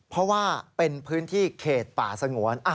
เพราะว่าเป็นพื้นที่เขตป่าสงวน